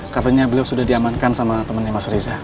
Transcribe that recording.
katanya beliau sudah diamankan sama temennya mas riza